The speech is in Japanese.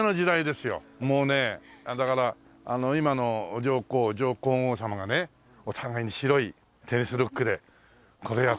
もうねだから今の上皇上皇后さまがねお互いに白いテニスルックでこれやって。